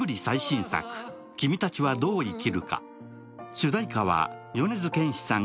主題歌は米津玄師さん